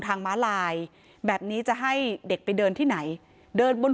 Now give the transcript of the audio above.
ม้าลายแบบนี้จะให้เด็กไปเดินที่ไหนเดินบน